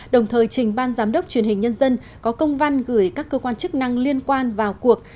đồng thời trình ban giám đốc truyền hình nhân dân có công văn gửi các cơ quan chức năng liên quan vào cuộc